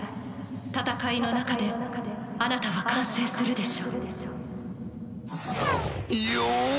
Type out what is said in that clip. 戦いの中であなたは完成するでしょう。